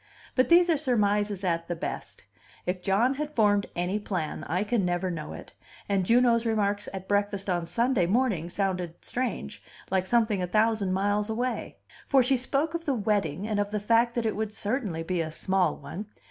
But these are surmises at the best: if John had formed any plan, I can never know it, and Juno's remarks at breakfast on Sunday morning sounded strange, like something a thousand miles away. For she spoke of the wedding, and of the fact that it would certainly be a small one.